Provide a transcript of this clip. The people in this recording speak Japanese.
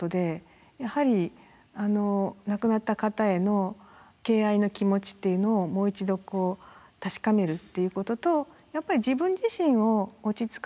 やはり亡くなった方への敬愛の気持ちっていうのをもう一度確かめるっていうことと自分自身を落ち着かせる。